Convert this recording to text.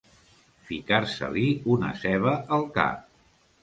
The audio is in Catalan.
Ficar-se-li una ceba al cap.